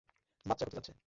বাচ্চা হতে যাচ্ছে।